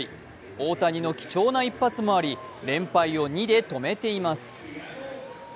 大谷の貴重な一発もあり連敗を２で止めています。